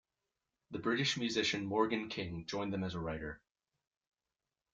The British musician Morgan King joined them as a writer.